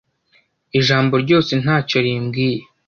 ijambo ryose ntacyo rimbwiye